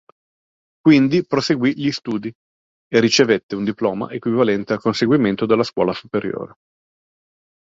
Quindi proseguì gli studi, e ricevette un diploma equivalente al conseguimento della scuola superiore.